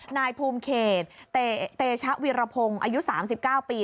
นายภูมิเขตเตชะวีรพงศ์อายุ๓๙ปี